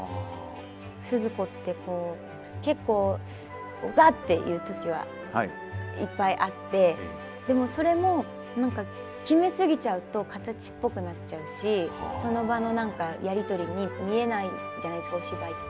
鈴子って、こう、結構がーっていうときはいっぱいあって、でもそれも、決め過ぎちゃうと形っぽくなっちゃうし、その場のなんかやり取りに見えないじゃないですか、お芝居って。